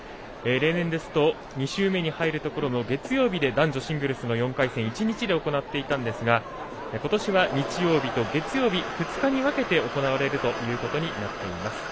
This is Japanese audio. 例年ですと２周目に入るところの月曜日で男女シングルスの４回戦１日で行っていたんですがことしは日曜日と月曜日２日に分けて行われるということになっています。